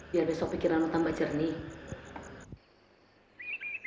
biar besok pikiranmu tambah jernih